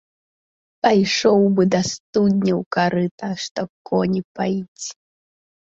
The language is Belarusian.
Пайшоў бы да студні ў карыта, што коні паіць.